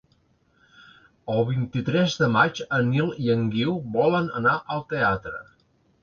El vint-i-tres de maig en Nil i en Guiu volen anar al teatre.